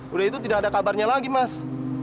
udah itu tidak ada kabarnya lagi mas